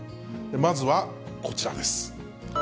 まずはこちらです。